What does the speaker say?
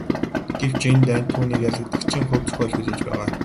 Гэвч энэ дайнд түүнийг ялагдагчийн хувь зохиол хүлээж байгаа.